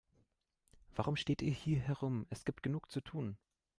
Warum steht ihr hier herum, es gibt genug zu tun.